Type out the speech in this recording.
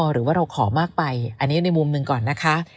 หรือว่าเราขอมากไปอันนี้ในมุมหนึ่งก่อนนะคะ